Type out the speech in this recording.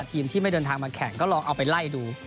ทีมที่ไม่เดินทางมาแข่งก็ลองเอาไปไล่ดู